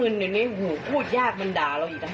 ไร้สารละ